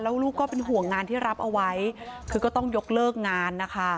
ลูกก็เป็นห่วงงานที่รับเอาไว้คือก็ต้องยกเลิกงานนะคะ